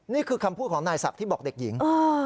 นี่คือคำพูดของนายศักดิ์ที่บอกเด็กหญิง